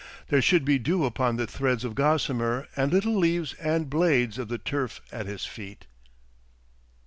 There should be dew upon the threads of gossamer and little leaves and blades of the turf at his feet.